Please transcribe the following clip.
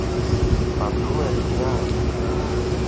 Παντού ερημιά.